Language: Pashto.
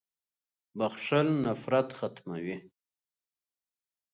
• بخښل نفرت ختموي.